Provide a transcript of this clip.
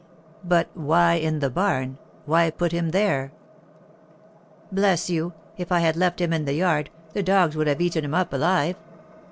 "But why in the barn? why put him there?" "Bless you, if I had left him in the yard, the dogs would have eaten him up alive!